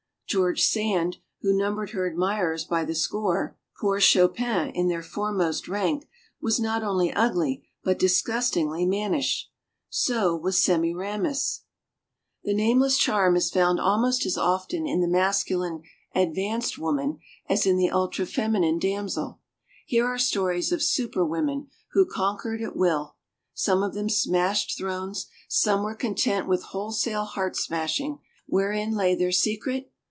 George Sand, who numbered her admirers by the score pool Chopin in their foremost rank was not only ugly, but disgustingly mannish. So was Semiramis. 2133125 Vlll FOREWORD The nameless charm is found almost as often in the masculine, "advanced" woman as in the ultrafeminine damsel. Here are stories of Super Women who conquered a: will. Some of them smashed thrones; some were con tent with wholesale heart smashing. Wherein lay their secret?